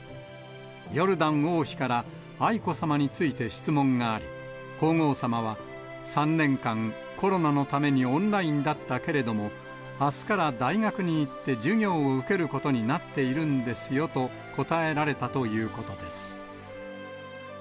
ヨルダン王妃から、愛子さまについて質問があり、皇后さまは、３年間コロナのためにオンラインだったけれども、あすから大学に行って授業を受けることになっているんですよと答えられたということです。